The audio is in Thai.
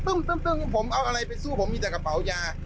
ซึ่งผมเอาอะไรไปสู้ผมมีแต่กระเป๋ายา